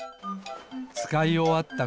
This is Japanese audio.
つかいおわった